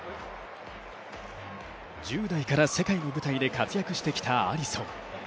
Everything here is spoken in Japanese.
１０代から世界の舞台で活躍してきたアリソン。